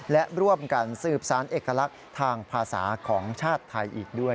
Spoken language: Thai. และร่วมกันสืบสารเอกลักษณ์ทางภาษาของชาติไทยอีกด้วย